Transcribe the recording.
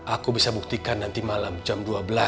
aku bisa buktikan nanti malam jam dua belas